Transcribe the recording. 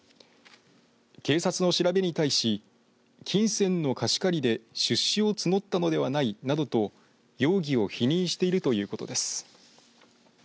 警察の調べに対し金銭の貸し借りで出資を募ったのではないと容疑を否認しているということです。